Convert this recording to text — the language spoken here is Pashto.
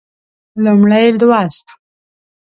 لومړی لوست